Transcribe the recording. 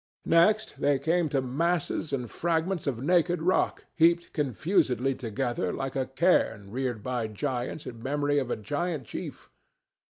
Next they came to masses and fragments of naked rock heaped confusedly together like a cairn reared by giants in memory of a giant chief.